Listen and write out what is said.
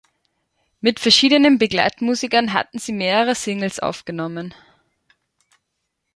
Mit verschiedenen Begleitmusikern hatten sie mehrere Singles aufgenommen.